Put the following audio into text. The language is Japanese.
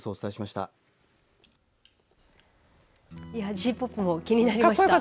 爺‐ＰＯＰも気になりました。